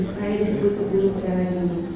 saya disebut pembunuh pada nanti